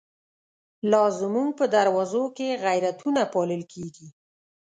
لا زمونږ په دروازو کی، غیرتونه پا لل کیږی